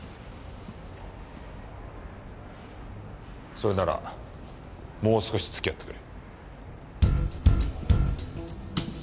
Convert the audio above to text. それならもう少し付き合ってくれ。